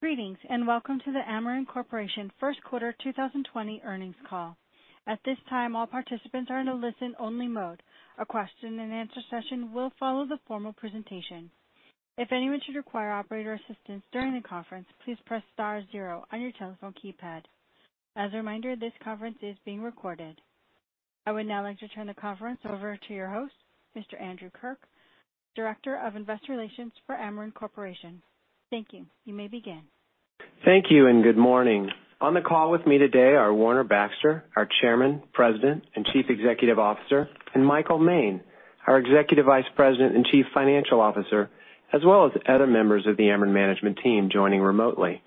Greetings, welcome to the Ameren Corporation First Quarter 2020 earnings call. At this time, all participants are in a listen-only mode. A question-and-answer session will follow the formal presentation. If anyone should require operator assistance during the conference, please press star zero on your telephone keypad. As a reminder, this conference is being recorded. I would now like to turn the conference over to your host, Mr. Andrew Kirk, Director of Investor Relations for Ameren Corporation. Thank you. You may begin. Thank you. Good morning. On the call with me today are Warner Baxter, our Chairman, President, and Chief Executive Officer, and Michael Moehn, our Executive Vice President and Chief Financial Officer, as well as other members of the Ameren management team joining remotely.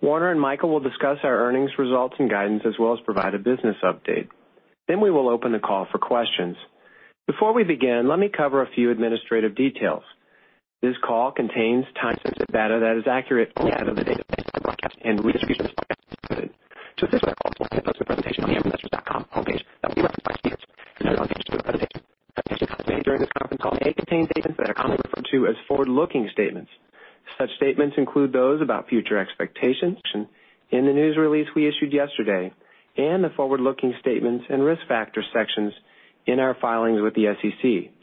Warner and Michael will discuss our earnings results and guidance, as well as provide a business update. We will open the call for questions. Before we begin, let me cover a few administrative details. This call contains time-sensitive data that is accurate only as of the date of this broadcast, and redistribution of this broadcast is prohibited. To assist with our call, slide decks of the presentation on the amereninvestors.com homepage that will be referenced by speakers and noted on pages throughout the presentation. The presentation and comments made during this conference call may contain statements that are commonly referred to as forward-looking statements. Such statements include those about future expectations, in the news release we issued yesterday and the forward-looking statements and risk factor sections in our filings with the SEC.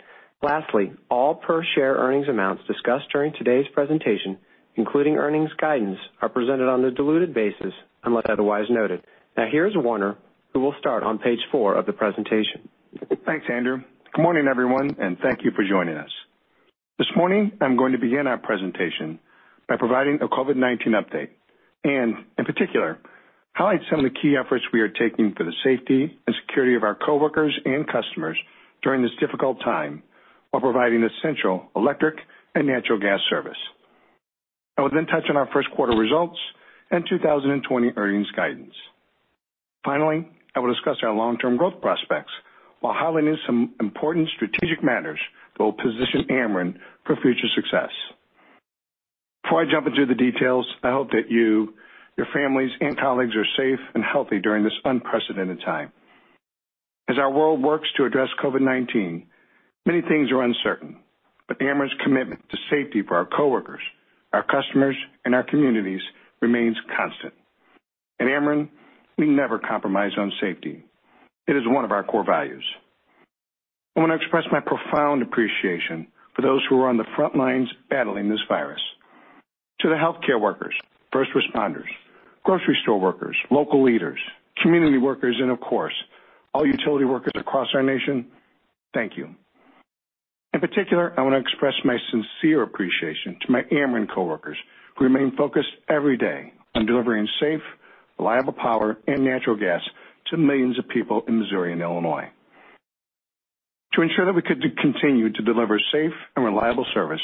Lastly, all per-share earnings amounts discussed during today's presentation, including earnings guidance, are presented on a diluted basis unless otherwise noted. Here's Warner, who will start on page four of the presentation. Thanks, Andrew. Good morning, everyone, and thank you for joining us. This morning, I'm going to begin our presentation by providing a COVID-19 update and, in particular, highlight some of the key efforts we are taking for the safety and security of our coworkers and customers during this difficult time while providing essential electric and natural gas service. I will then touch on our first quarter results and 2020 earnings guidance. Finally, I will discuss our long-term growth prospects while highlighting some important strategic matters that will position Ameren for future success. Before I jump into the details, I hope that you, your families, and colleagues are safe and healthy during this unprecedented time. As our world works to address COVID-19, many things are uncertain, but Ameren's commitment to safety for our coworkers, our customers, and our communities remains constant. At Ameren, we never compromise on safety. It is one of our core values. I want to express my profound appreciation for those who are on the front lines battling this virus. To the healthcare workers, first responders, grocery store workers, local leaders, community workers, and of course, all utility workers across our nation, thank you. In particular, I want to express my sincere appreciation to my Ameren coworkers who remain focused every day on delivering safe, reliable power and natural gas to millions of people in Missouri and Illinois. To ensure that we could continue to deliver safe and reliable service,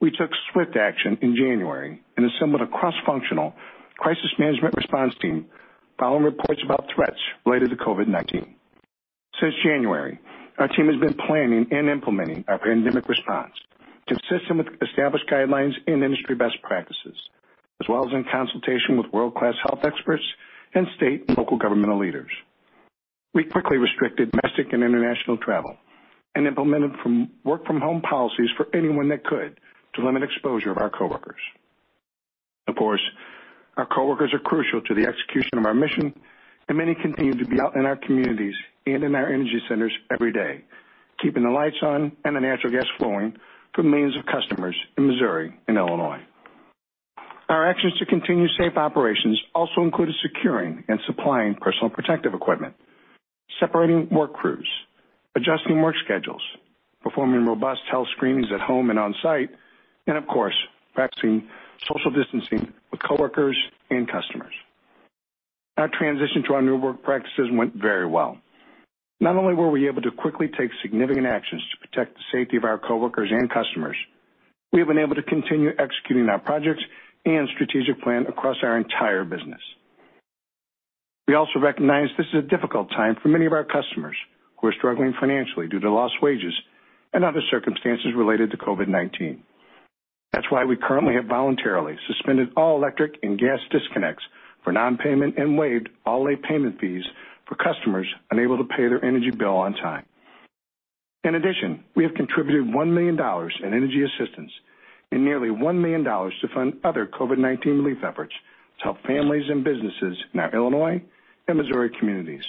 we took swift action in January and assembled a cross-functional crisis management response team following reports about threats related to COVID-19. Since January, our team has been planning and implementing our pandemic response consistent with established guidelines and industry best practices, as well as in consultation with world-class health experts and state and local governmental leaders. We quickly restricted domestic and international travel and implemented work-from-home policies for anyone that could to limit exposure of our coworkers. Of course, our coworkers are crucial to the execution of our mission and many continue to be out in our communities and in our energy centers every day, keeping the lights on and the natural gas flowing for millions of customers in Missouri and Illinois. Our actions to continue safe operations also included securing and supplying personal protective equipment, separating work crews, adjusting work schedules, performing robust health screenings at home and on-site, and of course, practicing social distancing with coworkers and customers. Our transition to our new work practices went very well. Not only were we able to quickly take significant actions to protect the safety of our coworkers and customers, we have been able to continue executing our projects and strategic plan across our entire business. We also recognize this is a difficult time for many of our customers who are struggling financially due to lost wages and other circumstances related to COVID-19. That's why we currently have voluntarily suspended all electric and gas disconnects for non-payment and waived all late payment fees for customers unable to pay their energy bill on time. In addition, we have contributed $1 million in energy assistance and nearly $1 million to fund other COVID-19 relief efforts to help families and businesses in our Illinois and Missouri communities.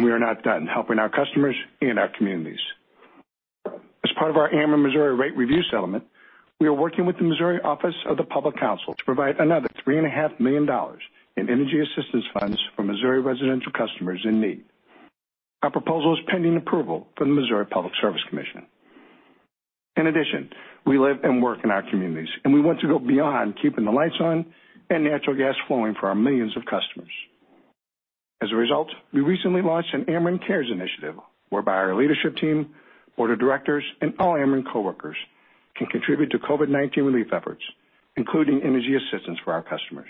We are not done helping our customers and our communities. As part of our Ameren Missouri rate review settlement, we are working with the Missouri Office of the Public Counsel to provide another $3.5 million in energy assistance funds for Missouri residential customers in need. Our proposal is pending approval from the Missouri Public Service Commission. In addition, we live and work in our communities, and we want to go beyond keeping the lights on and natural gas flowing for our millions of customers. As a result, we recently launched an AmerenCares initiative whereby our leadership team, board of directors, and all Ameren coworkers can contribute to COVID-19 relief efforts, including energy assistance for our customers.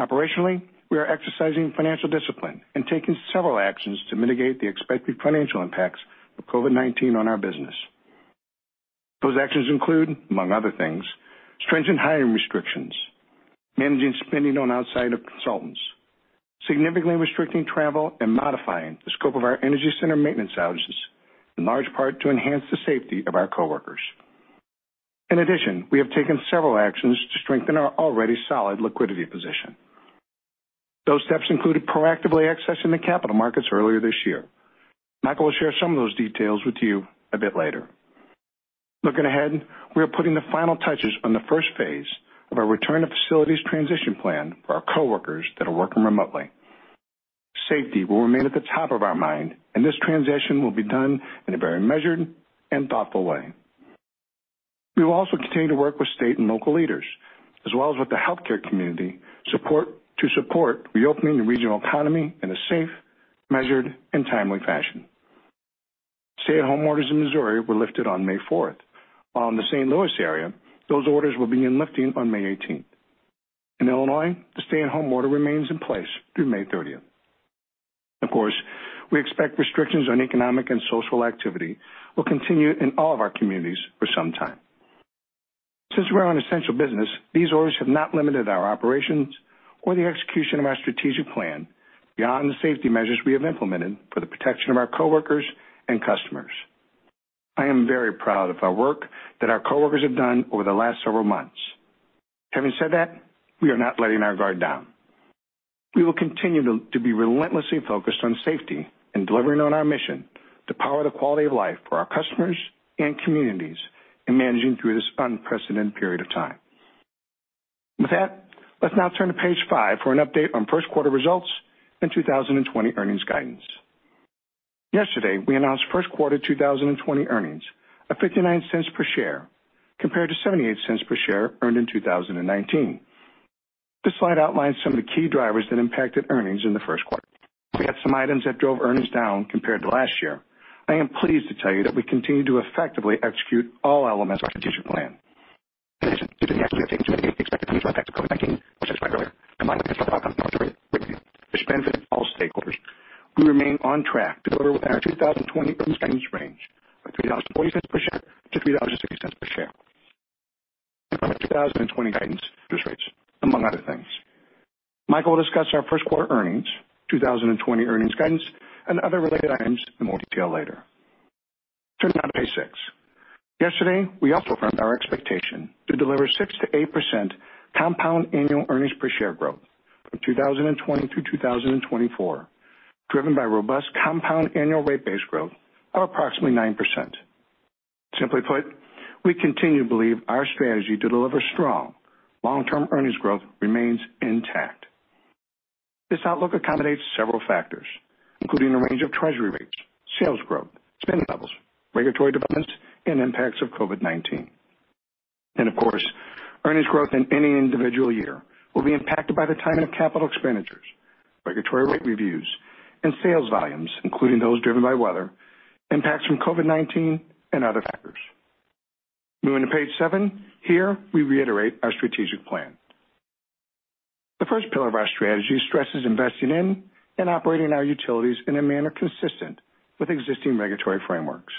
Operationally, we are exercising financial discipline and taking several actions to mitigate the expected financial impacts of COVID-19 on our business. Those actions include, among other things, stringent managing spending on outside consultants, significantly restricting travel, and modifying the scope of our energy center maintenance outages, in large part to enhance the safety of our coworkers. In addition, we have taken several actions to strengthen our already solid liquidity position. Those steps included proactively accessing the capital markets earlier this year. Michael will share some of those details with you a bit later. Looking ahead, we are putting the final touches on the first phase of our return-to-facilities transition plan for our coworkers that are working remotely. Safety will remain at the top of our mind. This transition will be done in a very measured and thoughtful way. We will also continue to work with state and local leaders, as well as with the healthcare community, to support reopening the regional economy in a safe, measured, and timely fashion. Stay-at-home orders in Missouri were lifted on May 4th. While in the St. Louis area, those orders will begin lifting on May 18th. In Illinois, the stay-at-home order remains in place through May 30th. Of course, we expect restrictions on economic and social activity will continue in all of our communities for some time. Since we're an essential business, these orders have not limited our operations or the execution of our strategic plan beyond the safety measures we have implemented for the protection of our coworkers and customers. I am very proud of our work that our coworkers have done over the last several months. Having said that, we are not letting our guard down. We will continue to be relentlessly focused on safety and delivering on our mission to power the quality of life for our customers and communities in managing through this unprecedented period of time. With that, let's now turn to page five for an update on first quarter results and 2020 earnings guidance. Yesterday, we announced first quarter 2020 earnings of $0.59 per share compared to $0.78 per share earned in 2019. This slide outlines some of the key drivers that impacted earnings in the first quarter. We had some items that drove earnings down compared to last year. I am pleased to tell you that we continue to effectively execute all elements of our strategic plan. In addition, due to the actions we have taken to mitigate the expected financial impacts of COVID-19, which I described earlier, combined with our strong operating performance at our rate review, which benefited all stakeholders, we remain on track to deliver within our 2020 earnings guidance range of $3.40 per share-$3.60 per share. In front of 2020 guidance, interest rates, among other things. Michael will discuss our first quarter earnings, 2020 earnings guidance, and other related items in more detail later. Turning now to page six. Yesterday, we also affirmed our expectation to deliver 6%-8% compound annual earnings per share growth from 2020 to 2024, driven by robust compound annual rate base growth of approximately 9%. Simply put, we continue to believe our strategy to deliver strong long-term earnings growth remains intact. This outlook accommodates several factors, including the range of Treasury rates, sales growth, spending levels, regulatory developments, and impacts of COVID-19. Of course, earnings growth in any individual year will be impacted by the timing of capital expenditures, regulatory rate reviews, and sales volumes, including those driven by weather, impacts from COVID-19, and other factors. Moving to page seven. Here, we reiterate our strategic plan. The first pillar of our strategy stresses investing in and operating our utilities in a manner consistent with existing regulatory frameworks.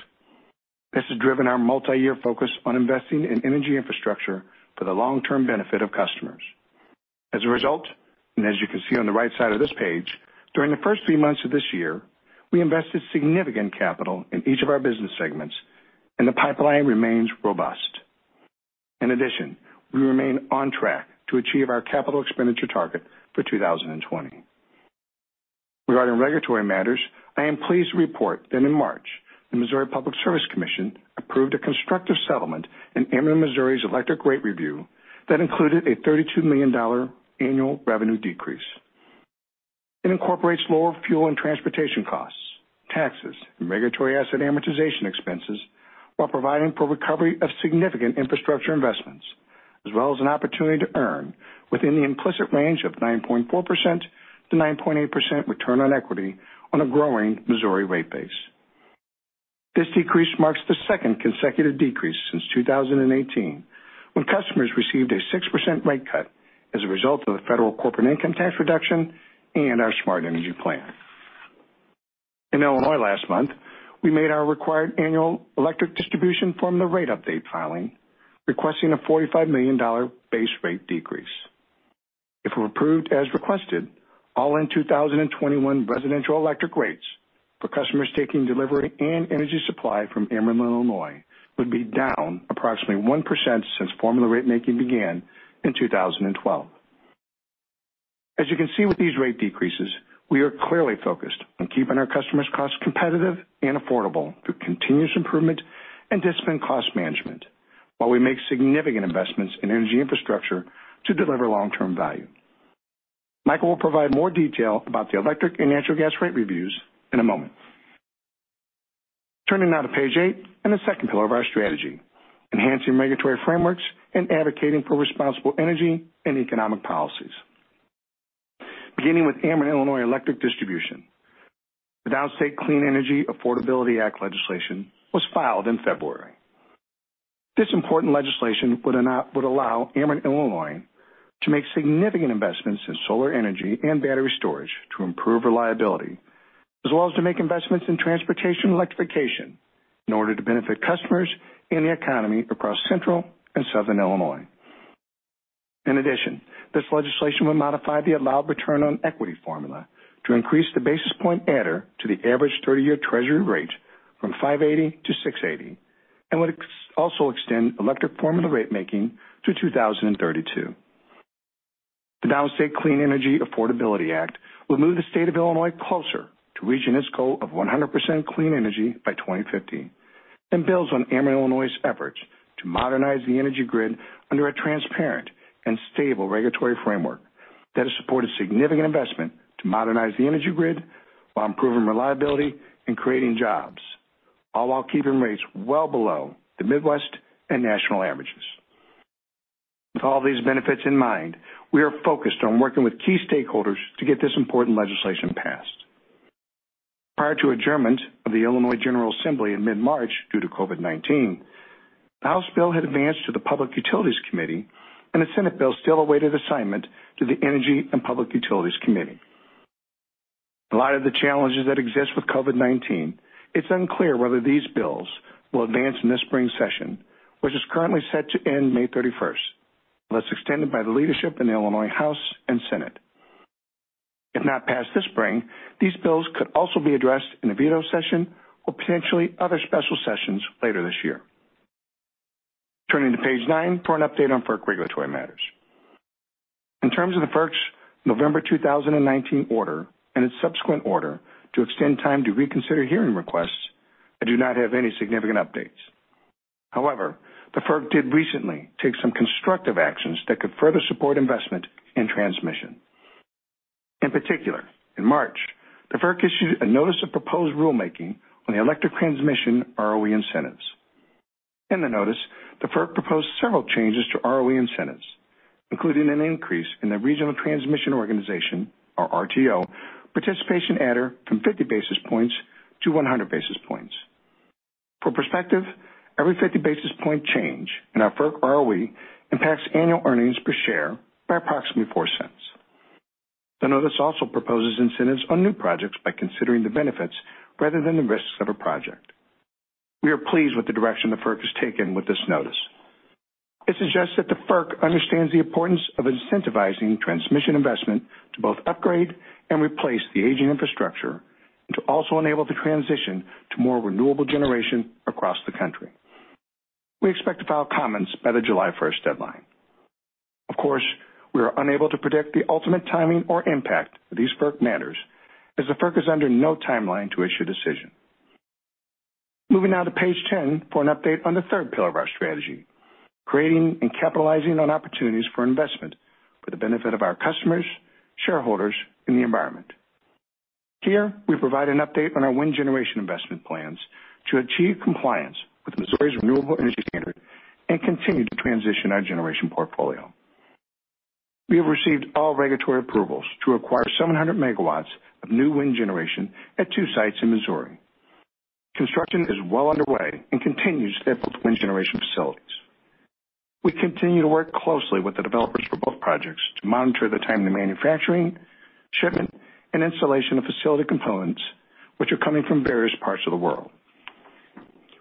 This has driven our multi-year focus on investing in energy infrastructure for the long-term benefit of customers. As a result, and as you can see on the right side of this page, during the first three months of this year, we invested significant capital in each of our business segments, and the pipeline remains robust. In addition, we remain on track to achieve our capital expenditure target for 2020. Regarding regulatory matters, I am pleased to report that in March, the Missouri Public Service Commission approved a constructive settlement in Ameren Missouri's electric rate review that included a $32 million annual revenue decrease. It incorporates lower fuel and transportation costs, taxes, and regulatory asset amortization expenses while providing for recovery of significant infrastructure investments as well as an opportunity to earn within the implicit range of 9.4% to 9.8% return on equity on a growing Missouri rate base. This decrease marks the second consecutive decrease since 2018, when customers received a 6% rate cut as a result of the federal corporate income tax reduction and our Smart Energy Plan. In Illinois last month, we made our required annual electric distribution formula rate update filing, requesting a $45 million base rate decrease. If approved as requested, all-in 2021 residential electric rates for customers taking delivery and energy supply from Ameren Illinois would be down approximately 1% since formula rate making began in 2012. As you can see with these rate decreases, we are clearly focused on keeping our customers' costs competitive and affordable through continuous improvement and disciplined cost management while we make significant investments in energy infrastructure to deliver long-term value. Michael will provide more detail about the electric and natural gas rate reviews in a moment. Turning now to page eight and the second pillar of our strategy, enhancing regulatory frameworks and advocating for responsible energy and economic policies. Beginning with Ameren Illinois electric distribution, the Downstate Clean Energy Affordability Act legislation was filed in February. This important legislation would allow Ameren Illinois to make significant investments in solar energy and battery storage to improve reliability. As well as to make investments in transportation electrification in order to benefit customers and the economy across central and southern Illinois. In addition, this legislation will modify the allowed return on equity formula to increase the basis point adder to the average 30-year Treasury rate from 580 to 680, and would also extend electric formula rate making to 2032. The Clean and Reliable Grid Affordability Act will move the state of Illinois closer to reaching its goal of 100% clean energy by 2050, and builds on Ameren Illinois' efforts to modernize the energy grid under a transparent and stable regulatory framework that has supported significant investment to modernize the energy grid while improving reliability and creating jobs, all while keeping rates well below the Midwest and national averages. With all these benefits in mind, we are focused on working with key stakeholders to get this important legislation passed. Prior to adjournment of the Illinois General Assembly in mid-March due to COVID-19, the House bill had advanced to the Public Utilities Committee and the Senate bill still awaited assignment to the Energy and Public Utilities Committee. In light of the challenges that exist with COVID-19, it's unclear whether these bills will advance in the spring session, which is currently set to end May thirty-first, unless extended by the leadership in the Illinois House and Senate. If not passed this spring, these bills could also be addressed in a veto session or potentially other special sessions later this year. Turning to page nine for an update on FERC regulatory matters. In terms of the FERC's November 2019 order and its subsequent order to extend time to reconsider hearing requests, I do not have any significant updates. However, the FERC did recently take some constructive actions that could further support investment in transmission. In particular, in March, the FERC issued a Notice of Proposed Rulemaking on the electric transmission ROE incentives. In the notice, the FERC proposed several changes to ROE incentives, including an increase in the regional transmission organization, or RTO, participation adder from 50 basis points to 100 basis points. For perspective, every 50 basis point change in our FERC ROE impacts annual earnings per share by approximately $0.04. The notice also proposes incentives on new projects by considering the benefits rather than the risks of a project. We are pleased with the direction the FERC has taken with this notice. It suggests that the FERC understands the importance of incentivizing transmission investment to both upgrade and replace the aging infrastructure, and to also enable the transition to more renewable generation across the country. We expect to file comments by the July first deadline. Of course, we are unable to predict the ultimate timing or impact of these FERC matters as the FERC is under no timeline to issue a decision. Moving now to page 10 for an update on the third pillar of our strategy, creating and capitalizing on opportunities for investment for the benefit of our customers, shareholders, and the environment. Here, we provide an update on our wind generation investment plans to achieve compliance with Missouri's renewable energy standard and continue to transition our generation portfolio. We have received all regulatory approvals to acquire 700 megawatts of new wind generation at two sites in Missouri. Construction is well underway and continues at both wind generation facilities. We continue to work closely with the developers for both projects to monitor the timely manufacturing, shipment, and installation of facility components, which are coming from various parts of the world.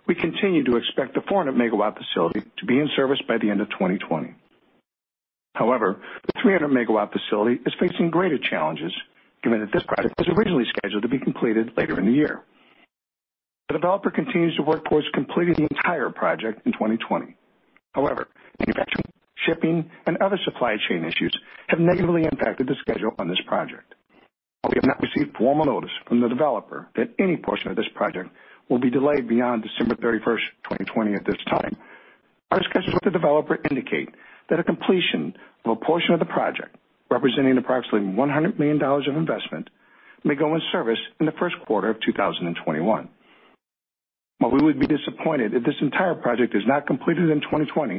We continue to expect the 400 megawatt facility to be in service by the end of 2020. However, the 300 megawatt facility is facing greater challenges given that this project was originally scheduled to be completed later in the year. The developer continues to work towards completing the entire project in 2020. However, manufacturing, shipping, and other supply chain issues have negatively impacted the schedule on this project. While we have not received formal notice from the developer that any portion of this project will be delayed beyond December 31st, 2020 at this time, our discussions with the developer indicate that a completion of a portion of the project representing approximately $100 million of investment may go in service in the first quarter of 2021. While we would be disappointed if this entire project is not completed in 2020,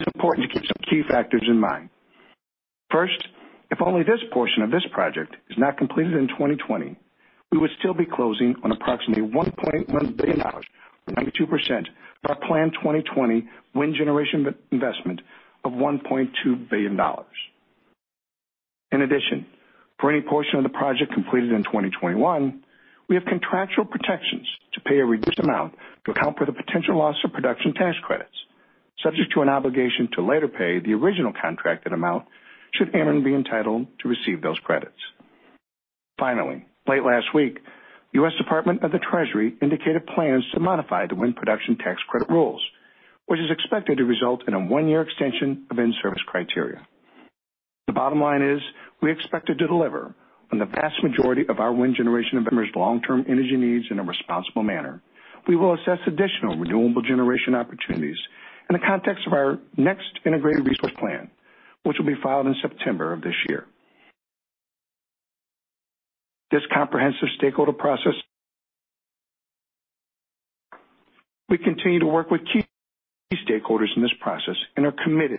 it is important to keep some key factors in mind. First, if only this portion of this project is not completed in 2020, we would still be closing on approximately $1.1 billion or 92% of our planned 2020 wind generation investment of $1.2 billion. In addition, for any portion of the project completed in 2021, we have contractual protections to pay a reduced amount to account for the potential loss of production tax credits, subject to an obligation to later pay the original contracted amount should Ameren be entitled to receive those credits. Finally, late last week, U.S. Department of the Treasury indicated plans to modify the wind production tax credit rules, which is expected to result in a one-year extension of in-service criteria. The bottom line is we expected to deliver on the vast majority of our wind generation of Ameren's long-term energy needs in a responsible manner. We will assess additional renewable generation opportunities in the context of our next integrated resource plan, which will be filed in September of this year. This comprehensive stakeholder process. We continue to work with key stakeholders in this process and are committed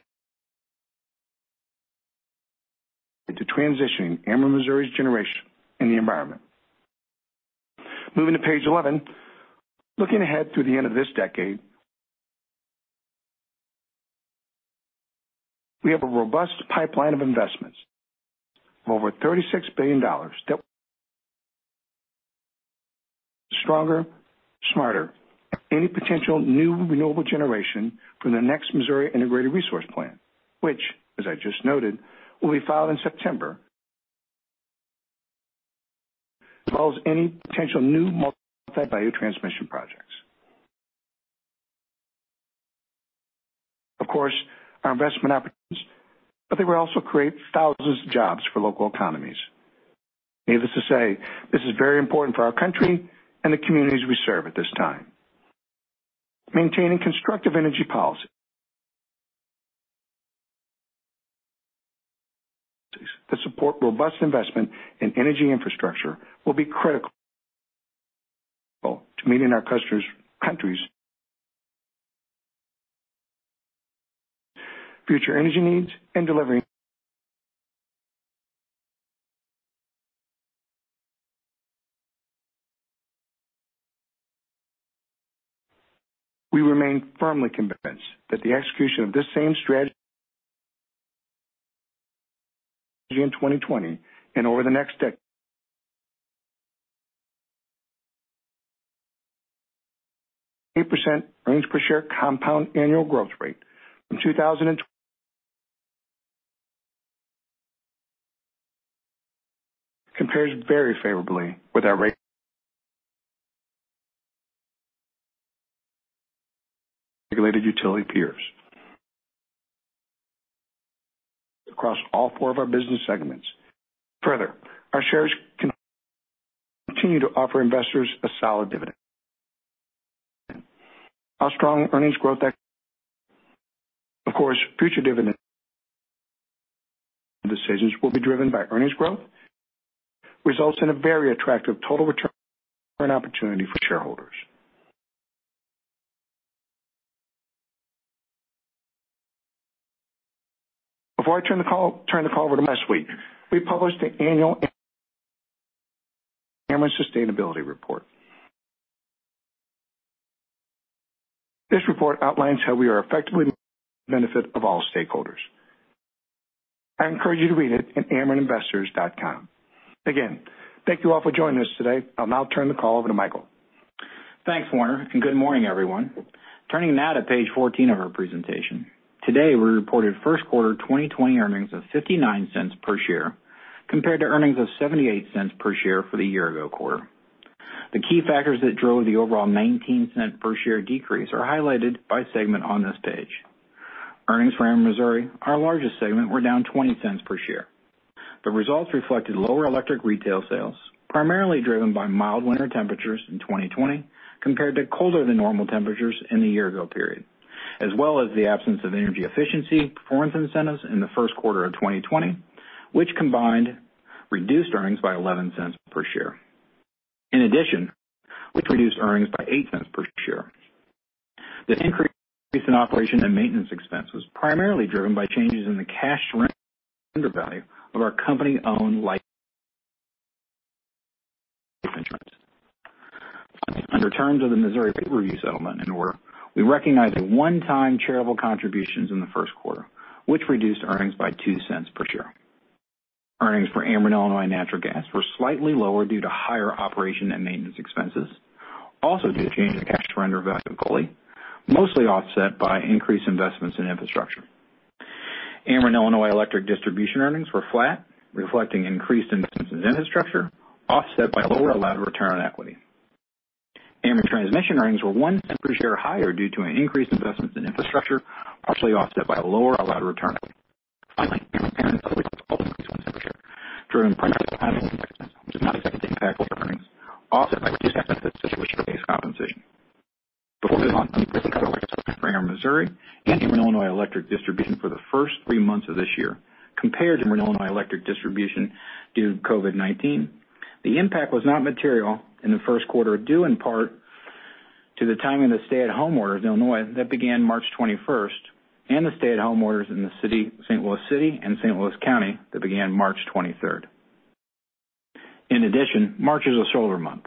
to transitioning Ameren Missouri's generation and the environment. Moving to page 11. Looking ahead to the end of this decade. We have a robust pipeline of investments of over $36 billion that stronger, smarter, any potential new renewable generation from the next Missouri Integrated Resource Plan, which, as I just noted, will be filed in September, as well as any potential new multi-state bio transmission projects. Of course, our investment opportunities, but they will also create thousands of jobs for local economies. Needless to say, this is very important for our country and the communities we serve at this time. Maintaining constructive energy policy that support robust investment in energy infrastructure will be critical to meeting our country's future energy needs. We remain firmly convinced that the execution of this same strategy in 2020 and over the next decade. % earnings per share compound annual growth rate from 2,000 and compares very favorably with our regulated utility peers across all four of our business segments. Our shares continue to offer investors a solid dividend. Our strong earnings growth, of course, future dividend decisions will be driven by earnings growth, results in a very attractive total return opportunity for shareholders. Before I turn the call over to Mike Moehn, we published the annual Ameren Sustainability Report. This report outlines how we are effectively benefit of all stakeholders. I encourage you to read it in amereninvestors.com. Thank you all for joining us today. I'll now turn the call over to Michael. Thanks, Warner. Good morning, everyone. Turning now to page 14 of our presentation. Today, we reported first quarter 2020 earnings of $0.59 per share, compared to earnings of $0.78 per share for the year ago quarter. The key factors that drove the overall $0.19 per share decrease are highlighted by segment on this page. Earnings for Ameren Missouri, our largest segment, were down $0.20 per share. The results reflected lower electric retail sales, primarily driven by mild winter temperatures in 2020 compared to colder than normal temperatures in the year ago period, as well as the absence of energy efficiency performance incentives in the first quarter of 2020, which combined reduced earnings by $0.11 per share. In addition, which reduced earnings by $0.08 per share. The increase in operation and maintenance expense was primarily driven by changes in the cash surrender value of our company-owned life insurance. Under terms of the Missouri rate review settlement, we recognized a one-time charitable contributions in the first quarter, which reduced earnings by $0.02 per share. Earnings for Ameren Illinois Natural Gas were slightly lower due to higher operation and maintenance expenses, also due to change in cash surrender value of equity, mostly offset by increased investments in infrastructure. Ameren Illinois Electric Distribution earnings were flat, reflecting increased investments in infrastructure, offset by lower allowed return on equity. Ameren Transmission earnings were $0.01 per share higher due to an increase in investments in infrastructure, partially offset by a lower allowed return on equity. Finally, Ameren Parent otherwise would have also increased $0.01 per share, driven primarily by climbing expenses, which is not expected to impact future earnings, offset by reduced tax benefits due to restriction-based compensation. Before moving on, let me briefly cover what I discussed for Ameren Missouri and Ameren Illinois Electric Distribution for the first three months of this year compared to Ameren Illinois Electric Distribution due to COVID-19. The impact was not material in the first quarter due in part to the timing of the stay-at-home order in Illinois that began March 21st and the stay-at-home orders in the city, St. Louis City and St. Louis County that began March 23rd. In addition, March is a shoulder month.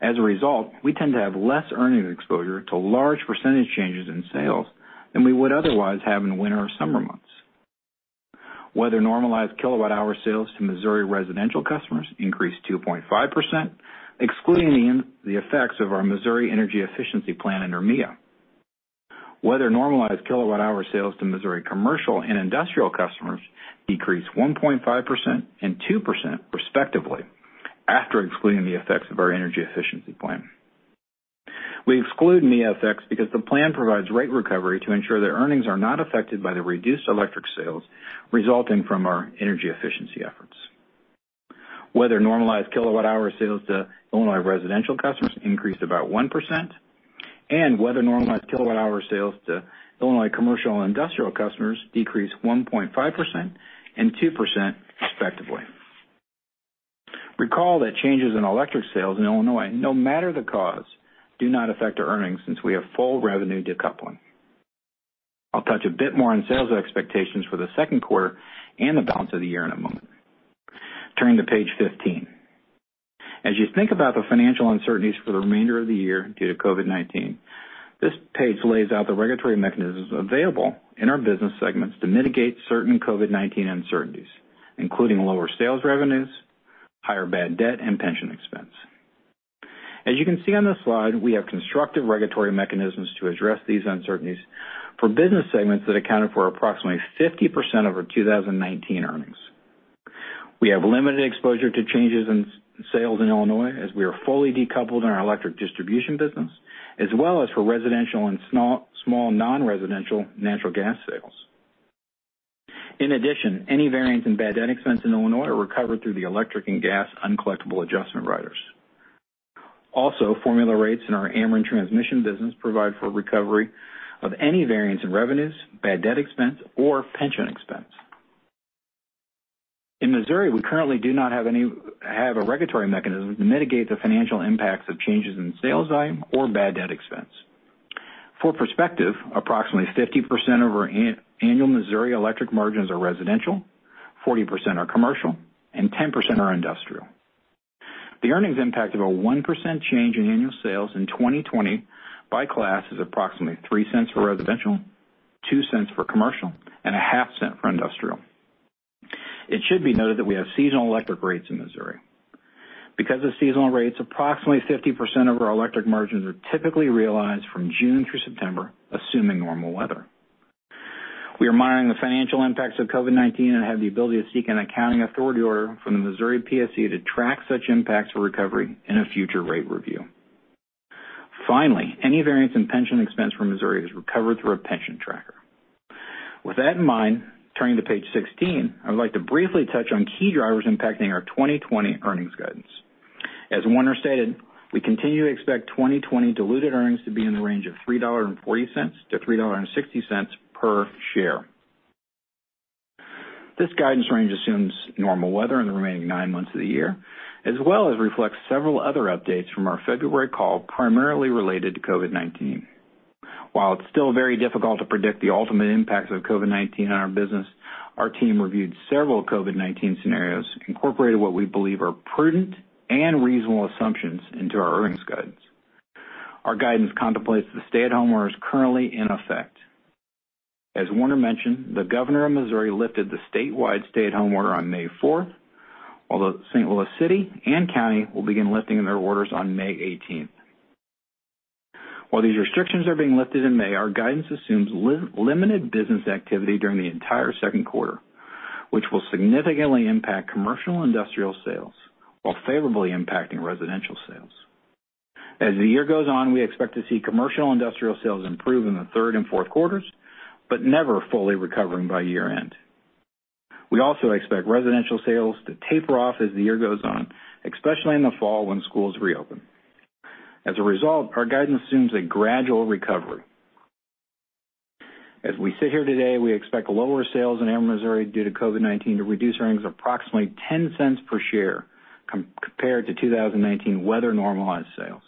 As a result, we tend to have less earnings exposure to large percentage changes in sales than we would otherwise have in winter or summer months. Weather-normalized kilowatt-hour sales to Missouri residential customers increased 2.5%, excluding the effects of our Missouri energy efficiency plan under MEEIA. Weather-normalized kilowatt-hour sales to Missouri commercial and industrial customers decreased 1.5% and 2% respectively, after excluding the effects of our energy efficiency plan. We exclude MEEIA effects because the plan provides rate recovery to ensure that earnings are not affected by the reduced electric sales resulting from our energy efficiency efforts. Weather-normalized kilowatt-hour sales to Illinois residential customers increased about 1%, weather-normalized kilowatt-hour sales to Illinois commercial and industrial customers decreased 1.5% and 2% respectively. Recall that changes in electric sales in Illinois, no matter the cause, do not affect our earnings since we have full revenue decoupling. I'll touch a bit more on sales expectations for the second quarter and the balance of the year in a moment. Turning to page 15. As you think about the financial uncertainties for the remainder of the year due to COVID-19, this page lays out the regulatory mechanisms available in our business segments to mitigate certain COVID-19 uncertainties, including lower sales revenues, higher bad debt, and pension expense. As you can see on this slide, we have constructive regulatory mechanisms to address these uncertainties for business segments that accounted for approximately 50% of our 2019 earnings. We have limited exposure to changes in sales in Illinois, as we are fully decoupled in our electric distribution business, as well as for residential and small non-residential natural gas sales. In addition, any variance in bad debt expense in Illinois are recovered through the electric and gas uncollectable adjustment riders. Formula rates in our Ameren Transmission business provide for recovery of any variance in revenues, bad debt expense, or pension expense. In Missouri, we currently do not have a regulatory mechanism to mitigate the financial impacts of changes in sales volume or bad debt expense. For perspective, approximately 50% of our annual Missouri Electric margins are residential, 40% are commercial, and 10% are industrial. The earnings impact of a 1% change in annual sales in 2020 by class is approximately $0.03 for residential, $0.02 for commercial, and $0.005 for industrial. It should be noted that we have seasonal electric rates in Missouri. Because of seasonal rates, approximately 50% of our electric margins are typically realized from June through September, assuming normal weather. We are monitoring the financial impacts of COVID-19 and have the ability to seek an accounting authority order from the Missouri PSC to track such impacts for recovery in a future rate review. Finally, any variance in pension expense from Missouri is recovered through a pension tracker. With that in mind, turning to page 16, I would like to briefly touch on key drivers impacting our 2020 earnings guidance. As Warner stated, we continue to expect 2020 diluted earnings to be in the range of $3.40-$3.60 per share. This guidance range assumes normal weather in the remaining nine months of the year, as well as reflects several other updates from our February call, primarily related to COVID-19. While it's still very difficult to predict the ultimate impacts of COVID-19 on our business, our team reviewed several COVID-19 scenarios and incorporated what we believe are prudent and reasonable assumptions into our earnings guidance. Our guidance contemplates the stay-at-home orders currently in effect. As Warner mentioned, the Governor of Missouri lifted the statewide stay-at-home order on May 4th, although St. Louis City and County will begin lifting their orders on May 18th. While these restrictions are being lifted in May, our guidance assumes limited business activity during the entire second quarter, which will significantly impact commercial industrial sales while favorably impacting residential sales. As the year goes on, we expect to see commercial industrial sales improve in the third and fourth quarters but never fully recovering by year-end. We also expect residential sales to taper off as the year goes on, especially in the fall when schools reopen. As a result, our guidance assumes a gradual recovery. As we sit here today, we expect lower sales in Ameren Missouri due to COVID-19 to reduce earnings approximately $0.10 per share compared to 2019 weather-normalized sales.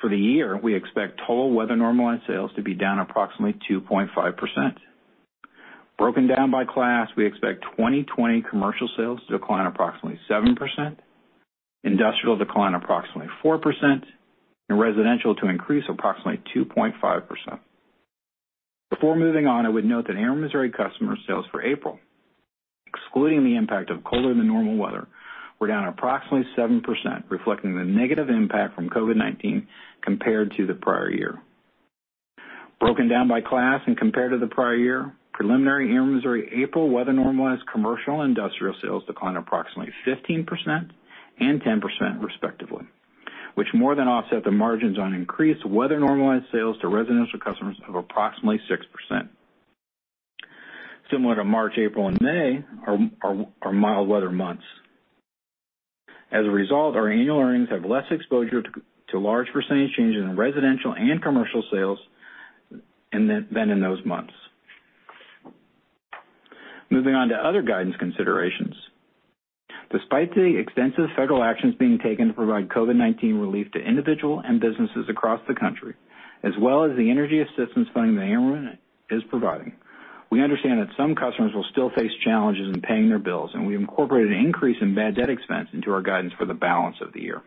For the year, we expect total weather-normalized sales to be down approximately 2.5%. Broken down by class, we expect 2020 commercial sales to decline approximately 7%, industrial to decline approximately 4%, and residential to increase approximately 2.5%. Before moving on, I would note that Ameren Missouri customer sales for April, excluding the impact of colder-than-normal weather, were down approximately 7%, reflecting the negative impact from COVID-19 compared to the prior year. Broken down by class and compared to the prior year, preliminary Ameren Missouri April weather-normalized commercial and industrial sales declined approximately 15% and 10%, respectively, which more than offset the margins on increased weather-normalized sales to residential customers of approximately 6%. Similar to March, April, and May are mild weather months. As a result, our annual earnings have less exposure to large percentage changes in residential and commercial sales than in those months. Moving on to other guidance considerations. Despite the extensive federal actions being taken to provide COVID-19 relief to individual and businesses across the country, as well as the energy assistance funding that Ameren is providing, we understand that some customers will still face challenges in paying their bills, and we incorporated an increase in bad debt expense into our guidance for the balance of the year.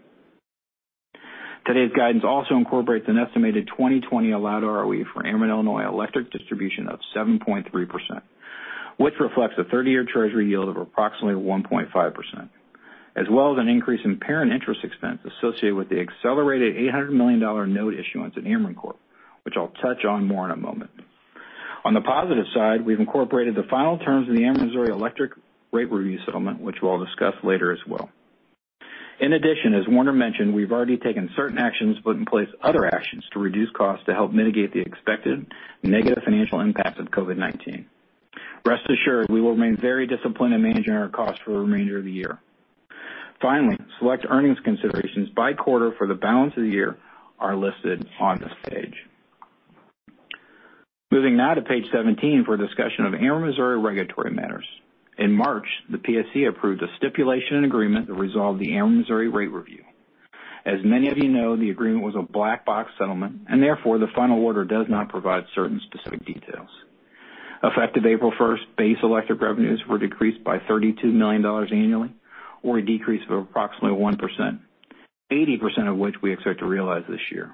Today's guidance also incorporates an estimated 2020 allowed ROE for Ameren Illinois Electric Distribution of 7.3%, which reflects a 30-year Treasury yield of approximately 1.5%, as well as an increase in parent interest expense associated with the accelerated $800 million note issuance in Ameren Corp, which I'll touch on more in a moment. On the positive side, we've incorporated the final terms of the Ameren Missouri electric rate review settlement, which we'll discuss later as well. In addition, as Warner mentioned, we've already taken certain actions, put in place other actions to reduce costs to help mitigate the expected negative financial impact of COVID-19. Rest assured, we will remain very disciplined in managing our costs for the remainder of the year. Finally, select earnings considerations by quarter for the balance of the year are listed on this page. Moving now to page 17 for a discussion of Ameren Missouri regulatory matters. In March, the PSC approved a stipulation and agreement that resolved the Ameren Missouri rate review. As many of you know, the agreement was a black box settlement. Therefore, the final order does not provide certain specific details. Effective April 1st, base electric revenues were decreased by $32 million annually or a decrease of approximately 1%, 80% of which we expect to realize this year.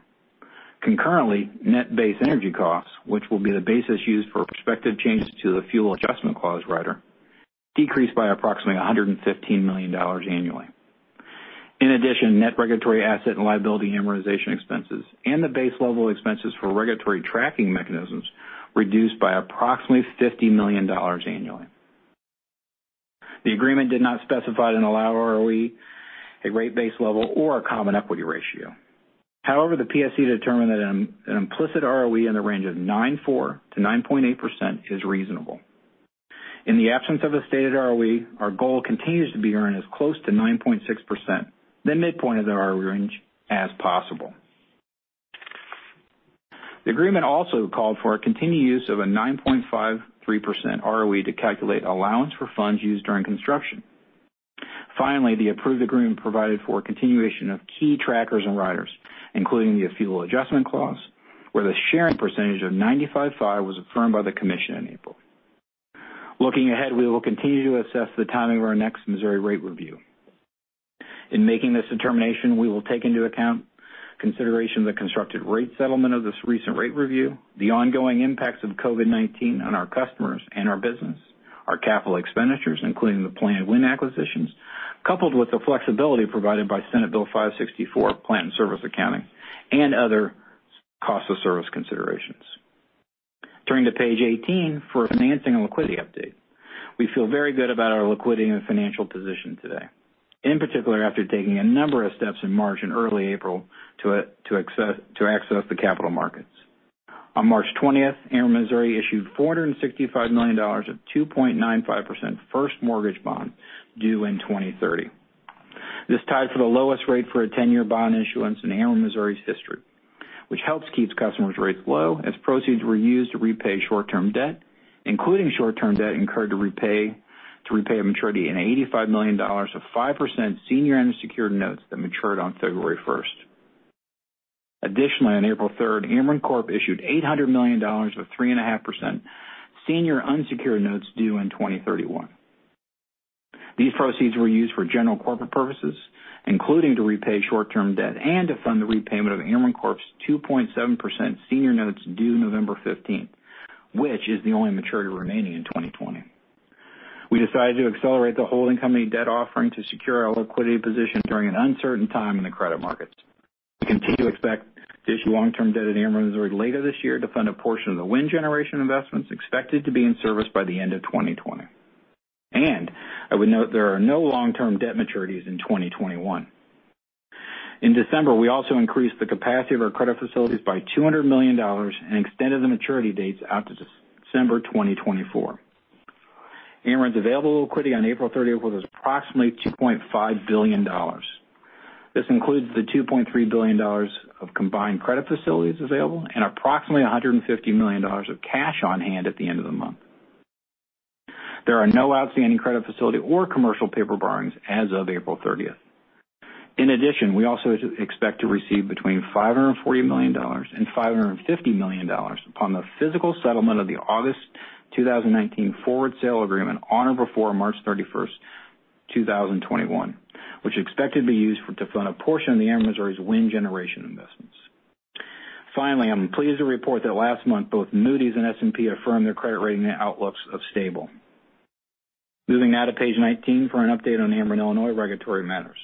Concurrently, net base energy costs, which will be the basis used for prospective changes to the fuel adjustment clause rider, decreased by approximately $115 million annually. In addition, net regulatory asset and liability amortization expenses and the base level expenses for regulatory tracking mechanisms reduced by approximately $50 million annually. The agreement did not specify an allowed ROE, a rate base level, or a common equity ratio. The PSC determined that an implicit ROE in the range of 9.4% to 9.8% is reasonable. In the absence of a stated ROE, our goal continues to be earn as close to 9.6%, the midpoint of the ROE range, as possible. The agreement also called for a continued use of a 9.53% ROE to calculate allowance for funds used during construction. Finally, the approved agreement provided for a continuation of key trackers and riders, including the fuel adjustment clause, where the sharing percentage of 95.5% was affirmed by the commission in April. Looking ahead, we will continue to assess the timing of our next Missouri rate review. In making this determination, we will take into account consideration of the constructed rate settlement of this recent rate review, the ongoing impacts of COVID-19 on our customers and our business, our capital expenditures, including the planned wind acquisitions, coupled with the flexibility provided by Senate Bill 564, Plant-in Service accounting, and other cost of service considerations. Turning to page 18 for financing and liquidity update. We feel very good about our liquidity and financial position today, in particular after taking a number of steps in March and early April to access the capital markets. On March 20th, Ameren Missouri issued $465 million of 2.95% first mortgage bond due in 2030. This tied for the lowest rate for a 10-year bond issuance in Ameren Missouri's history, which helps keeps customers' rates low as proceeds were used to repay short-term debt, including short-term debt incurred to repay maturity in $85 million of 5% senior unsecured notes that matured on February 1st. On April 3rd, Ameren Corp issued $800 million of 3.5% senior unsecured notes due in 2031. These proceeds were used for general corporate purposes, including to repay short-term debt and to fund the repayment of Ameren Corp's 2.7% senior notes due November 15th, which is the only maturity remaining in 2020. We decided to accelerate the holding company debt offering to secure our liquidity position during an uncertain time in the credit markets. We continue to expect to issue long-term debt at Ameren Missouri later this year to fund a portion of the wind generation investments expected to be in service by the end of 2020. I would note there are no long-term debt maturities in 2021. In December, we also increased the capacity of our credit facilities by $200 million and extended the maturity dates out to December 2024. Ameren's available liquidity on April 30th was approximately $2.5 billion. This includes the $2.3 billion of combined credit facilities available and approximately $150 million of cash on hand at the end of the month. There are no outstanding credit facility or commercial paper borrowings as of April 30th. We also expect to receive between $540 million and $550 million upon the physical settlement of the August 2019 forward sale agreement on or before March 31st, 2021, which is expected to be used to fund a portion of the Ameren Missouri's wind generation investments. I'm pleased to report that last month both Moody's and S&P affirmed their credit rating and outlooks of stable. Moving now to page 19 for an update on Ameren Illinois regulatory matters.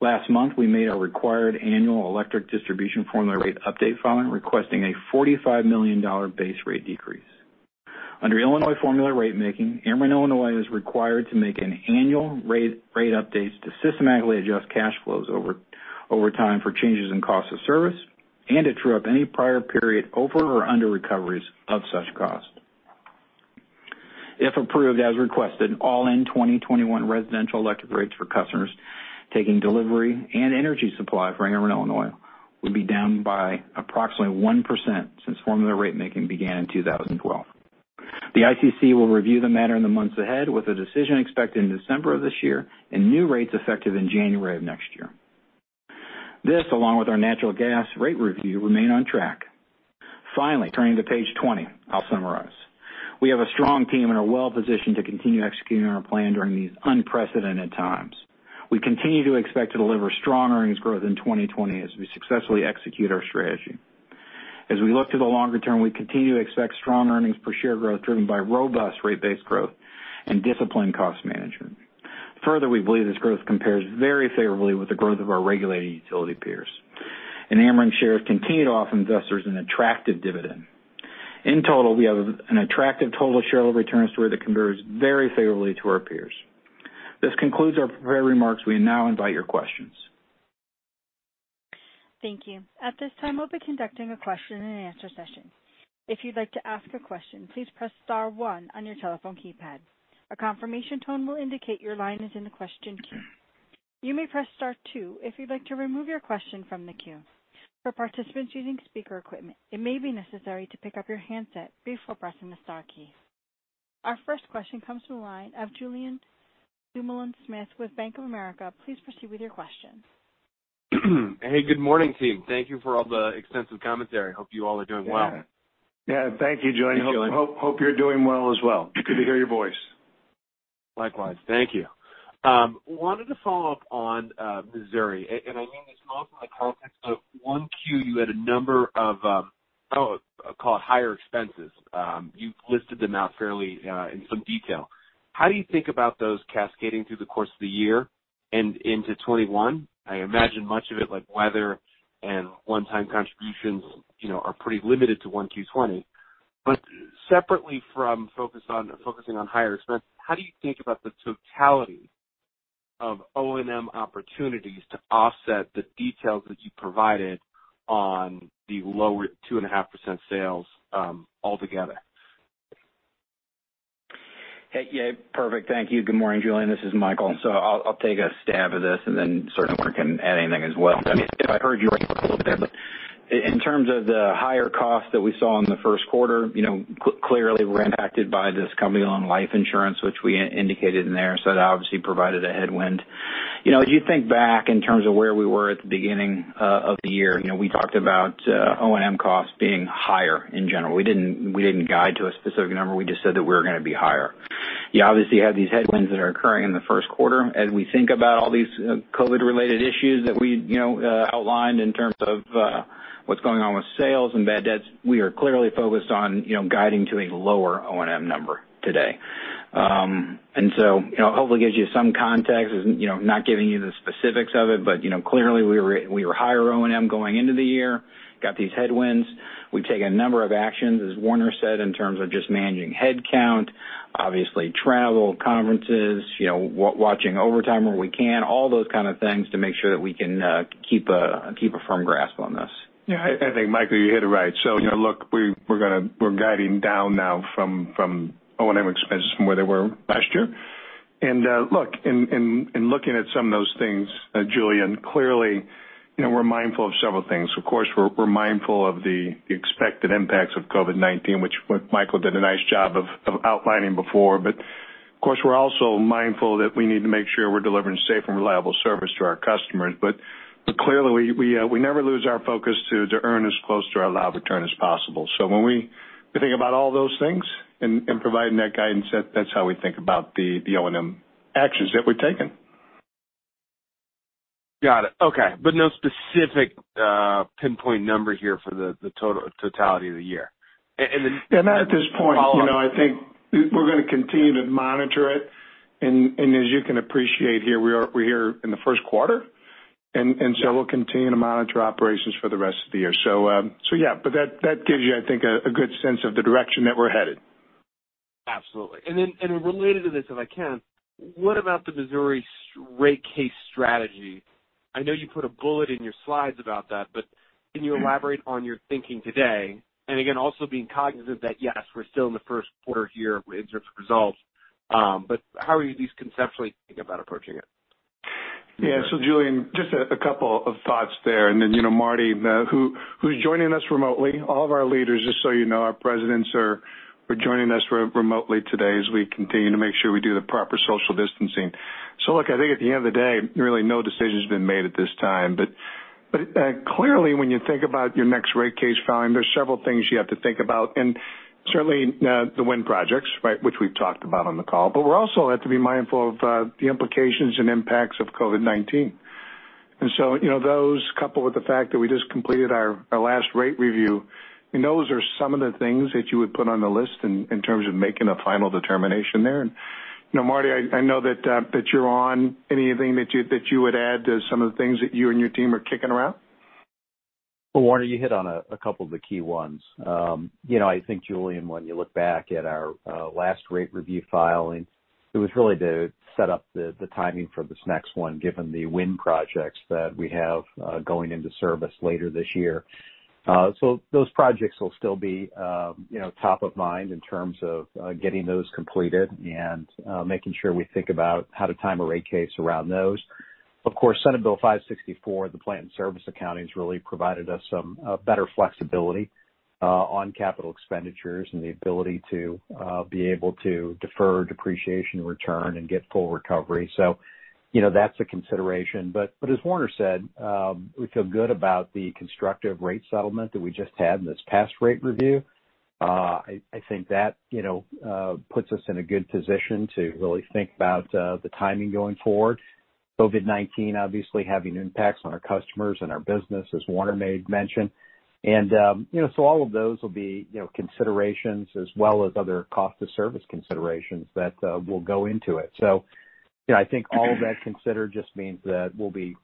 Last month, we made our required annual electric distribution formula rate update filing, requesting a $45 million base rate decrease. Under Illinois formula rate making, Ameren Illinois is required to make an annual rate updates to systematically adjust cash flows over time for changes in cost of service and to true up any prior period over or under recoveries of such cost. If approved as requested, all-in 2021 residential electric rates for customers taking delivery and energy supply from Ameren Illinois will be down by approximately 1% since formula rate making began in 2012. The ICC will review the matter in the months ahead with a decision expected in December of this year and new rates effective in January of next year. This, along with our natural gas rate review, remain on track. Finally, turning to page 20, I'll summarize. We have a strong team and are well-positioned to continue executing our plan during these unprecedented times. We continue to expect to deliver strong earnings growth in 2020 as we successfully execute our strategy. As we look to the longer term, we continue to expect strong earnings per share growth driven by robust rate base growth and disciplined cost management. We believe this growth compares very favorably with the growth of our regulated utility peers. Ameren shares continued to offer investors an attractive dividend. In total, we have an attractive total shareholder return story that compares very favorably to our peers. This concludes our prepared remarks. We now invite your questions. Thank you. At this time, we will be conducting a question and answer session. If you would like to ask a question, please press star one on your telephone keypad. A confirmation tone will indicate your line is in the question queue. You may press star two if you would like to remove your question from the queue. For participants using speaker equipment, it may be necessary to pick up your handset before pressing the star key. Our first question comes from the line of Julien Dumoulin-Smith with Bank of America. Please proceed with your question. Hey, good morning, team. Thank you for all the extensive commentary. I hope you all are doing well. Yeah. Thank you, Julien. Thank you, Julien. Hope you're doing well as well. It's good to hear your voice. Likewise. Thank you. Wanted to follow up on Missouri. I mean this more from the context of 1Q, you had a number of, I'll call it higher expenses. You listed them out fairly in some detail. How do you think about those cascading through the course of the year and into 2021? I imagine much of it, like weather and one-time contributions are pretty limited to 1Q 2020. Separately from focusing on higher expenses, how do you think about the totality of O&M opportunities to offset the details that you provided on the lower 2.5% sales altogether? Hey. Yeah, perfect. Thank you. Good morning, Julien. This is Michael. I'll take a stab at this, and then certainly Warner can add anything as well. If I heard you right a little bit, but in terms of the higher cost that we saw in the first quarter, clearly we're impacted by this company-owned life insurance, which we indicated in there. That obviously provided a headwind. As you think back in terms of where we were at the beginning of the year, we talked about O&M costs being higher in general. We didn't guide to a specific number, we just said that we were going to be higher. You obviously have these headwinds that are occurring in the first quarter. As we think about all these COVID-related issues that we outlined in terms of what's going on with sales and bad debts, we are clearly focused on guiding to a lower O&M number today. Hopefully gives you some context, not giving you the specifics of it, but clearly we were higher O&M going into the year, got these headwinds. We've taken a number of actions, as Warner said, in terms of just managing headcount, obviously travel, conferences, watching overtime where we can, all those kind of things to make sure that we can keep a firm grasp on this. I think, Michael, you hit it right. We're guiding down now from O&M expenses from where they were last year. In looking at some of those things, Julien, clearly, we're mindful of several things. Of course, we're mindful of the expected impacts of COVID-19, which Michael did a nice job of outlining before. We're also mindful that we need to make sure we're delivering safe and reliable service to our customers. We never lose our focus to earn as close to our allowed return as possible. When we think about all those things and providing that guidance, that's how we think about the O&M actions that we're taking. Got it. Okay. No specific pinpoint number here for the totality of the year. Not at this point. I think we're going to continue to monitor it. As you can appreciate here, we're here in the first quarter, we'll continue to monitor operations for the rest of the year. Yeah. That gives you, I think, a good sense of the direction that we're headed. Absolutely. Then related to this, if I can, what about the Missouri rate case strategy? I know you put a bullet in your slides about that, but can you elaborate on your thinking today? Again, also being cognizant that, yes, we're still in the first quarter here in terms of results. How are you at least conceptually think about approaching it? Julien, just a couple of thoughts there, and then Marty, who's joining us remotely. All of our leaders, just so you know, our presidents are joining us remotely today as we continue to make sure we do the proper social distancing. Look, I think at the end of the day, really no decision's been made at this time. Clearly, when you think about your next rate case filing, there's several things you have to think about, and certainly the wind projects, which we've talked about on the call. We also have to be mindful of the implications and impacts of COVID-19. Those coupled with the fact that we just completed our last rate review, and those are some of the things that you would put on the list in terms of making a final determination there. Marty, I know that you're on. Anything that you would add to some of the things that you and your team are kicking around? Well, Warner, you hit on a couple of the key ones. I think Julien, when you look back at our last rate review filing, it was really to set up the timing for this next one, given the wind projects that we have going into service later this year. Those projects will still be top of mind in terms of getting those completed and making sure we think about how to time a rate case around those. Of course, Senate Bill 564, the plant in service accounting has really provided us some better flexibility on capital expenditures and the ability to be able to defer depreciation return and get full recovery. That's a consideration. As Warner said, we feel good about the constructive rate settlement that we just had in this past rate review. I think that puts us in a good position to really think about the timing going forward. COVID-19 obviously having impacts on our customers and our business, as Warner made mention. All of those will be considerations as well as other cost of service considerations that will go into it. I think all of that considered just means that we'll be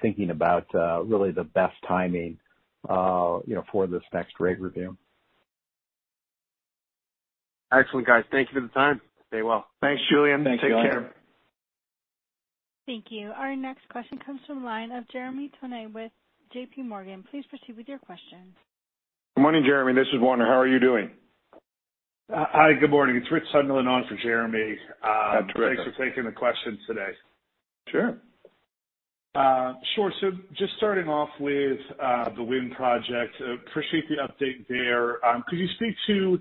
thinking about really the best timing for this next rate review. Excellent, guys. Thank you for the time. Stay well. Thanks, Julien. Take care. Thanks, Julien. Thank you. Our next question comes from the line of Jeremy Tonet with JPMorgan. Please proceed with your question. Good morning, Jeremy. This is Warner. How are you doing? Hi. Good morning. It's Richard Sunderland on for Jeremy. That's great. Thanks for taking the questions today. Sure. Sure. Just starting off with the wind project. Appreciate the update there. Could you speak to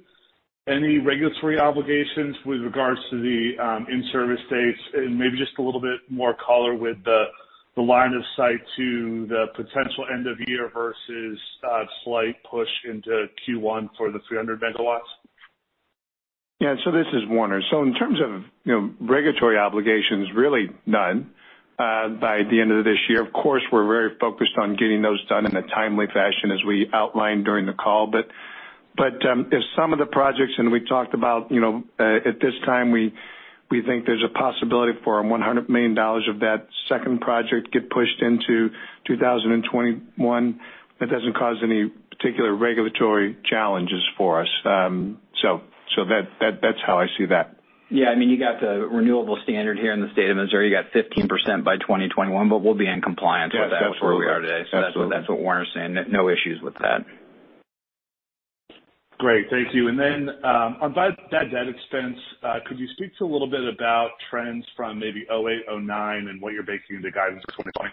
any regulatory obligations with regards to the in-service dates and maybe just a little bit more color with the line of sight to the potential end of year versus a slight push into Q1 for the 300 megawatts? This is Warner. In terms of regulatory obligations, really none by the end of this year. Of course, we're very focused on getting those done in a timely fashion, as we outlined during the call. If some of the projects, and we talked about at this time, we think there's a possibility for $100 million of that second project get pushed into 2021. That doesn't cause any particular regulatory challenges for us. That's how I see that. Yeah. You got the renewable standard here in the state of Missouri. You got 15% by 2021, but we'll be in compliance with that. Yes, absolutely. with where we are today. Absolutely. That's what Warner's saying. No issues with that. Great. Thank you. On bad debt expense, could you speak to a little bit about trends from maybe 2008, 2009, and what you're baking into guidance for 2020?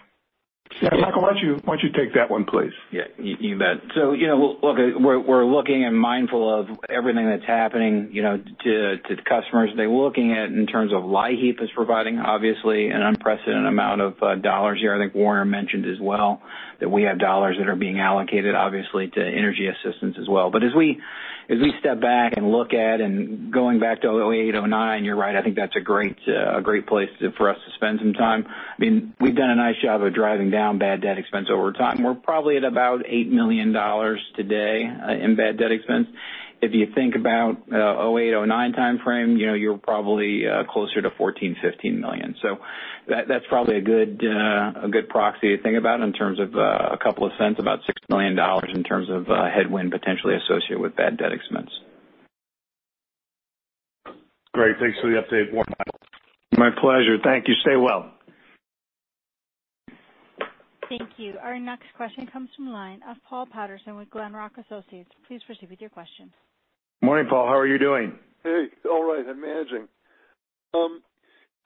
Yeah. Michael, why don't you take that one, please? Yeah. You bet. Look, we're looking and mindful of everything that's happening to customers. We're looking at, in terms of LIHEAP is providing, obviously, an unprecedented amount of dollars here. I think Warner mentioned as well that we have dollars that are being allocated, obviously, to energy assistance as well. As we step back and look at and going back to 2008, 2009, you're right. I think that's a great place for us to spend some time. We've done a nice job of driving down bad debt expense over time. We're probably at about $8 million today in bad debt expense. If you think about 2008, 2009 timeframe, you're probably closer to $14 million-$15 million. That's probably a good proxy to think about in terms of a couple of cents, about $6 million in terms of a headwind potentially associated with bad debt expense. Great. Thanks for the update, Warner and Michael. My pleasure. Thank you. Stay well. Thank you. Our next question comes from the line of Paul Patterson with Glenrock Associates. Please proceed with your question. Morning, Paul, how are you doing? Hey. All right. I'm managing.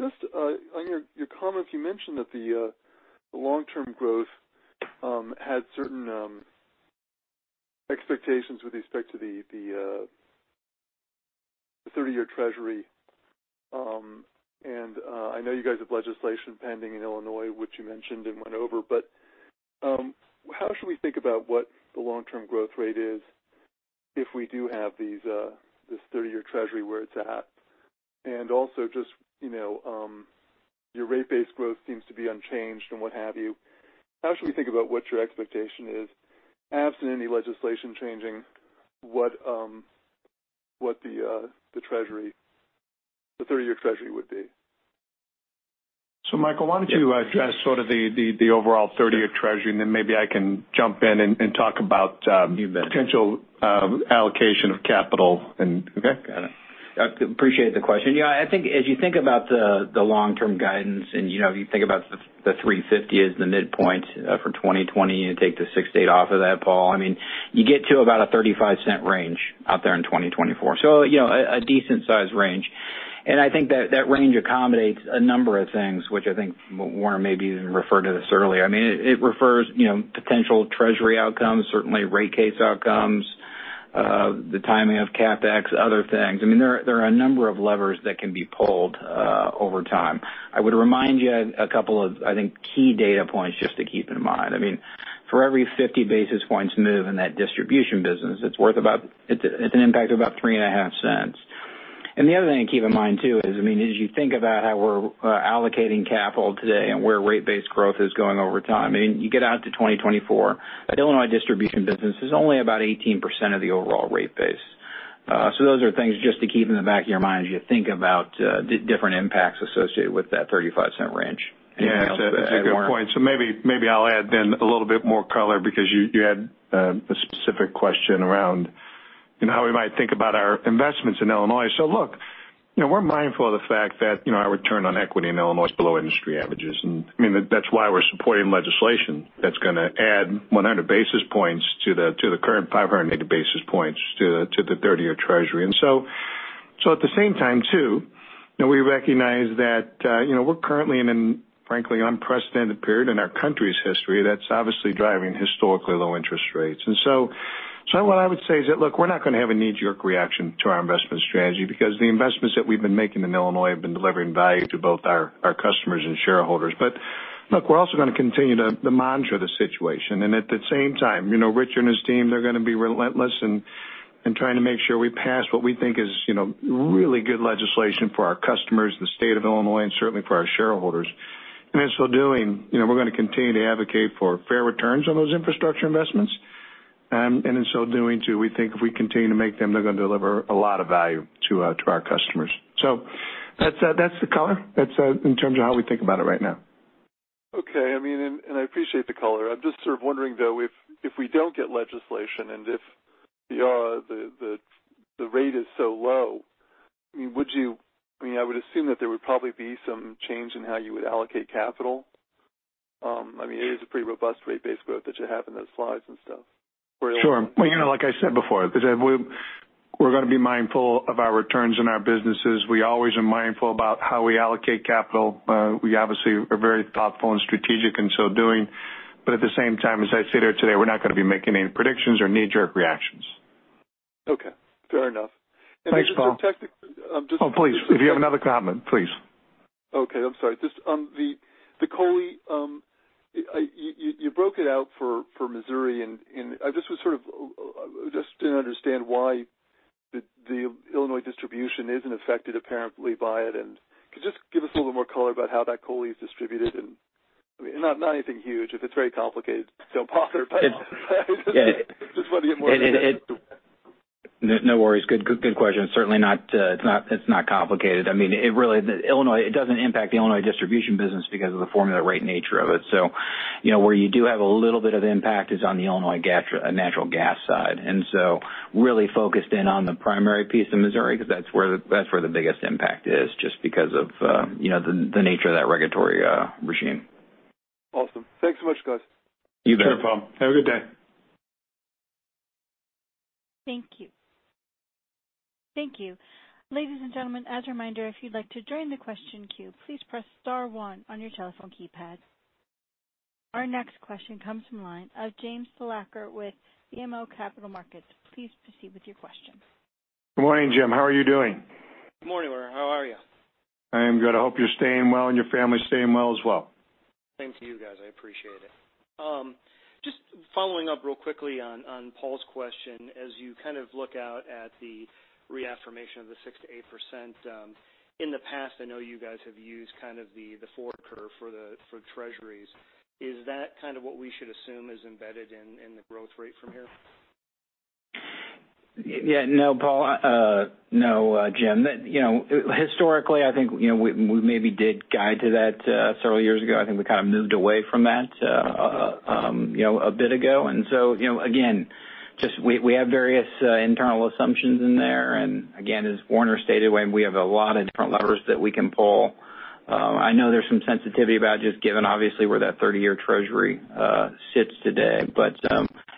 Just on your comments, you mentioned that the long-term growth had certain expectations with respect to the 30-year treasury. I know you guys have legislation pending in Illinois, which you mentioned and went over. How should we think about what the long-term growth rate is if we do have this 30-year treasury where it's at? Also just your rate base growth seems to be unchanged and what have you. How should we think about what your expectation is, absent any legislation changing what the 30-year treasury would be? Michael, why don't you address sort of the overall 30-year treasury, and then maybe I can jump in and talk about. You bet. potential allocation of capital okay. Got it. Appreciate the question. I think as you think about the long-term guidance and you think about the $3.50 as the midpoint for 2020, and you take the $0.06-$0.08 off of that, Paul, you get to about a $0.35 range out there in 2024. A decent size range. I think that range accommodates a number of things, which I think Warner maybe even referred to this earlier. It refers potential treasury outcomes, certainly rate case outcomes, the timing of CapEx, other things. There are a number of levers that can be pulled over time. I would remind you a couple of, I think, key data points just to keep in mind. For every 50 basis points move in that distribution business, it's an impact of about $0.035. The other thing to keep in mind, too, is as you think about how we're allocating capital today and where rate base growth is going over time, you get out to 2024, that Illinois distribution business is only about 18% of the overall rate base. Those are things just to keep in the back of your mind as you think about different impacts associated with that $0.35 range. Anything else you'd add, Warner? Yeah. That's a good point. Maybe I'll add then a little bit more color because you had a specific question around how we might think about our investments in Illinois. Look, we're mindful of the fact that our return on equity in Illinois is below industry averages, and that's why we're supporting legislation that's going to add 100 basis points to the current 500 basis points to the 30-year treasury. At the same time, too, we recognize that we're currently in an, frankly, unprecedented period in our country's history that's obviously driving historically low interest rates. What I would say is that, look, we're not going to have a knee-jerk reaction to our investment strategy because the investments that we've been making in Illinois have been delivering value to both our customers and shareholders. Look, we're also going to continue to monitor the situation. At the same time, Rich and his team, they're going to be relentless in trying to make sure we pass what we think is really good legislation for our customers, the state of Illinois, and certainly for our shareholders. In so doing, we're going to continue to advocate for fair returns on those infrastructure investments. In so doing, too, we think if we continue to make them, they're going to deliver a lot of value to our customers. That's the color in terms of how we think about it right now. Okay. I appreciate the color. I'm just sort of wondering, though, if we don't get legislation and if the rate is so low, I would assume that there would probably be some change in how you would allocate capital. It is a pretty robust rate base growth that you have in those slides and stuff for Illinois. Sure. Like I said before, because we're going to be mindful of our returns in our businesses. We always are mindful about how we allocate capital. We obviously are very thoughtful and strategic in so doing. At the same time, as I stated today, we're not going to be making any predictions or knee-jerk reactions. Okay, fair enough. Thanks, Paul. And just a technical- Oh, please. If you have another comment, please. Okay, I'm sorry. Just the COLI, you broke it out for Missouri and I just didn't understand why the Illinois distribution isn't affected apparently by it, and could you just give us a little more color about how that COLI is distributed? Not anything huge. If it's very complicated, don't bother, but just wanted to get more of that. No worries. Good question. Certainly it's not complicated. It doesn't impact the Illinois distribution business because of the formula rate nature of it. Where you do have a little bit of impact is on the Illinois natural gas side. Really focused in on the primary piece in Missouri because that's where the biggest impact is, just because of the nature of that regulatory regime. Awesome. Thanks so much, guys. You bet. Sure, Paul. Have a good day. Thank you. Thank you. Ladies and gentlemen, as a reminder, if you'd like to join the question queue, please press star one on your telephone keypad. Our next question comes from the line of James Thalacker with BMO Capital Markets. Please proceed with your question. Good morning, Jim. How are you doing? Good morning, Warner. How are you? I am good. I hope you're staying well and your family's staying well as well. Same to you guys. I appreciate it. Just following up real quickly on Paul's question, as you kind of look out at the reaffirmation of the 6%-8%, in the past, I know you guys have used kind of the forward curve for treasuries. Is that kind of what we should assume is embedded in the growth rate from here? Yeah. No, Jim. Historically, I think we maybe did guide to that several years ago. I think we kind of moved away from that a bit ago. Again, we have various internal assumptions in there. As Warner stated, we have a lot of different levers that we can pull. I know there's some sensitivity about just given obviously where that 30-year treasury sits today.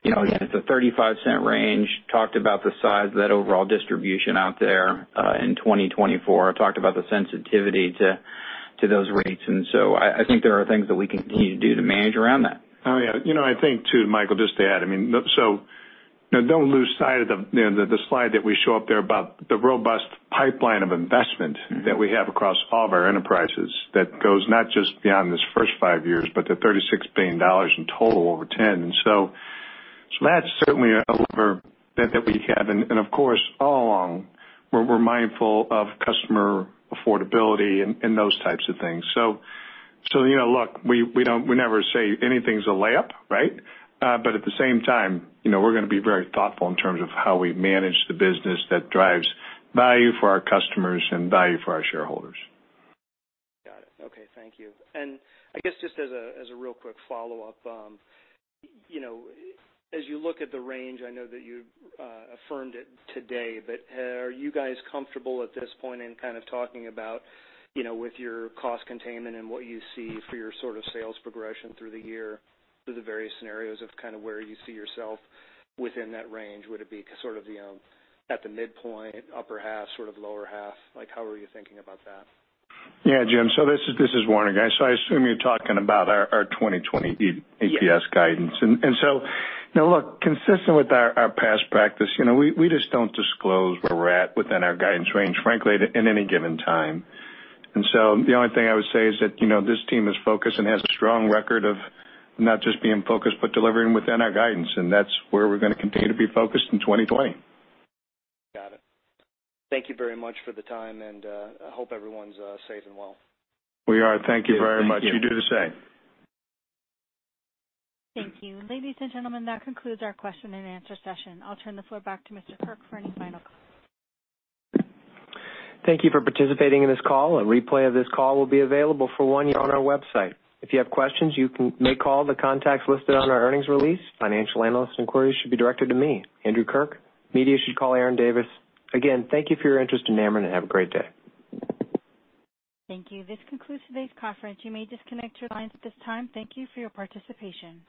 Again, it's a $0.35 range, talked about the size of that overall distribution out there in 2024, talked about the sensitivity to those rates. I think there are things that we can continue to do to manage around that. Oh, yeah. I think too, Michael, just to add, don't lose sight of the slide that we show up there about the robust pipeline of investment that we have across all of our enterprises that goes not just beyond this first five years, but to $36 billion in total over 10. That's certainly a lever that we have. Of course, all along, we're mindful of customer affordability and those types of things. Look, we never say anything's a layup, right? At the same time, we're going to be very thoughtful in terms of how we manage the business that drives value for our customers and value for our shareholders. Got it. Okay. Thank you. I guess just as a real quick follow-up. As you look at the range, I know that you affirmed it today, but are you guys comfortable at this point in kind of talking about with your cost containment and what you see for your sort of sales progression through the year through the various scenarios of kind of where you see yourself within that range? Would it be sort of at the midpoint, upper half, sort of lower half? How are you thinking about that? Yeah, Jim. This is Warner. I assume you're talking about our 2020 EPS guidance. Yes. Look, consistent with our past practice, we just don't disclose where we're at within our guidance range, frankly, at any given time. The only thing I would say is that this team is focused and has a strong record of not just being focused, but delivering within our guidance. That's where we're going to continue to be focused in 2020. Got it. Thank you very much for the time, and I hope everyone's safe and well. We are. Thank you very much. You do the same. Thank you. Ladies and gentlemen, that concludes our question and answer session. I'll turn the floor back to Mr. Kirk for any final comments. Thank you for participating in this call. A replay of this call will be available for one week on our website. If you have questions, you may call the contacts listed on our earnings release. Financial analyst inquiries should be directed to me, Andrew Kirk. Media should call Aaron Davis. Again, thank you for your interest in Ameren, and have a great day. Thank you. This concludes today's conference. You may disconnect your lines at this time. Thank you for your participation.